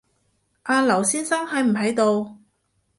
阿劉先生喺唔喺度